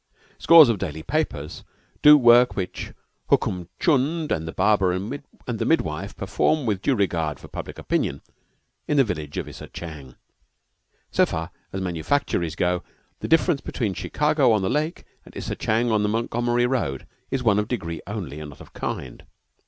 Scores of daily papers do work which Hukm Chund and the barber and the midwife perform, with due regard for public opinion, in the village of Isser Jang. So far as manufactories go, the difference between Chicago on the lake, and Isser Jang on the Montgomery road, is one of degree only, and not of kind.